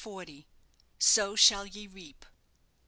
"SO SHALL YE REAP."